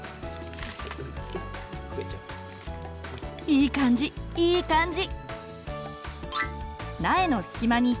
いい感じいい感じ！